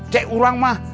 cek orang mah